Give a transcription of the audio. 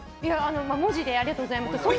文字でありがとうございますと。